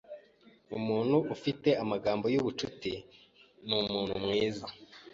umuntu ufite amagambo yubucuti numuntu mwiza